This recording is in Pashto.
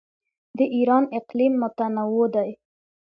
د ایران اقلیم متنوع دی.